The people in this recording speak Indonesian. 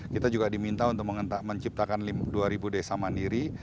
kita juga diminta untuk menciptakan dua ribu desa mandiri